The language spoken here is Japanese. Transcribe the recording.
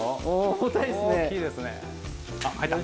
重たいですね。